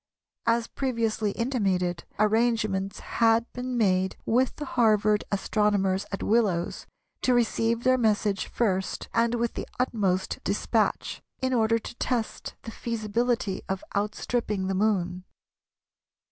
As previously intimated, arrangements had been made with the Harvard astronomers at Willows to receive their message first and with the utmost despatch, in order to test the feasibility of outstripping the Moon.